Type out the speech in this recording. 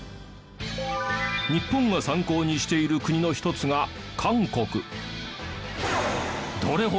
日本が参考にしている国の一つが韓国。